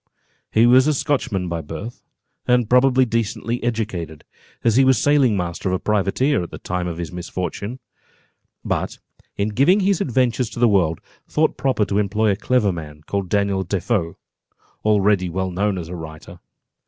He was a Scotchman by birth, and probably decently educated, as he was sailing master of a privateer, at the time of this misfortune; but in giving his adventures to the world, thought proper to employ a clever man, called Daniel Defoe, already well known as a writer.